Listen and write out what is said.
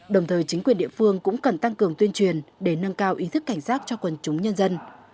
đồng thời chính quyền địa phương cũng cần tăng cường tuyên truyền để nâng cao ý thức cảnh giác cho quần chúng nhân dân